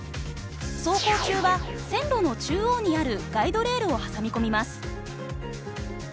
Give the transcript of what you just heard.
走行中は線路の中央にあるガイドレールを挟み込みます。